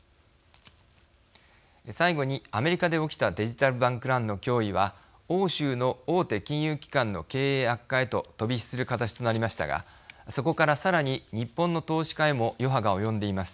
最後にアメリカで起きたデジタル・バンク・ランの脅威は欧州の大手金融機関の経営悪化へと飛び火する形となりましたがそこからさらに日本の投資家へも余波が及んでいます。